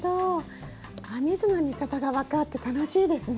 編み図の見方が分かって楽しいですね。